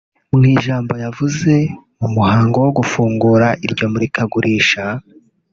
Mu ijambo yavuze mu muhango wo gufungura iryo murikagurisha